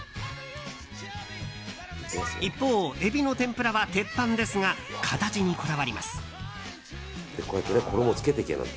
一方、エビの天ぷらは鉄板ですが形にこだわります。